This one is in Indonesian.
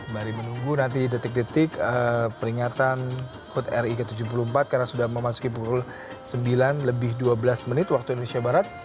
mari menunggu nanti detik detik peringatan hud ri ke tujuh puluh empat karena sudah memasuki pukul sembilan lebih dua belas menit waktu indonesia barat